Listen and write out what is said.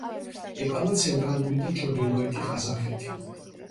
ეკავა ცენტრალური და ჩრდილოეთი ყაზახეთი.